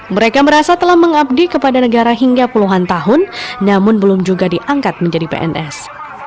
mereka merasa telah mengabdi kepada negara hingga puluhan tahun namun belum juga diangkat menjadi pns